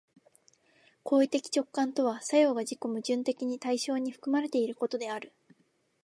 行為的直観とは作用が自己矛盾的に対象に含まれていることである。